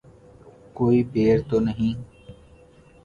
کوئی بیر تو نہیں